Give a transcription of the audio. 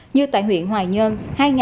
như tại huyện hoài nhơn